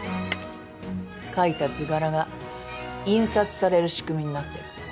書いた図柄が印刷される仕組みになってるの。